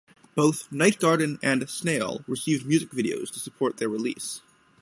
Both "Night Garden" and "Snail" received music videos to support their release.